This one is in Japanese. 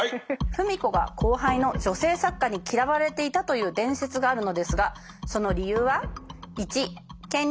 芙美子が後輩の女性作家に嫌われていたという伝説があるのですがその理由は？